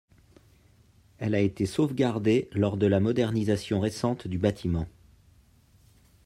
Elle a été sauvegardée lors de la modernisation récente du bâtiment.